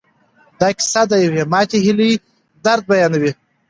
دا کیسه د یوې ماتې هیلې درد بیانوي.